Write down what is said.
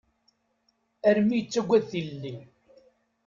Armi yettaggad tilelli.